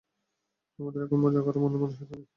আমাদের এখন মজা করার মনমানসিকতা নেই।